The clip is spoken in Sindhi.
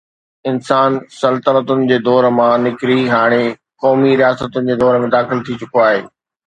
انسان سلطنتن جي دور مان نڪري هاڻي قومي رياستن جي دور ۾ داخل ٿي چڪو آهي.